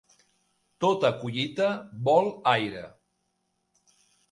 Tota collita vol aire.